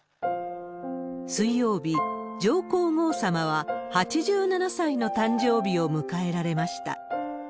水曜日、上皇后さまは８７歳の誕生日を迎えられました。